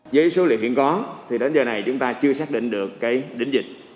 với số liệu hiện có thì đến giờ này chúng ta chưa xác định được cái đỉnh dịch